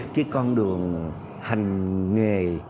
cái con đường hành nghề